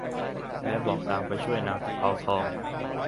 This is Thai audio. และบอกทางไปช่วยนางตะเภาทอง